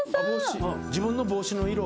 自分の帽子の色。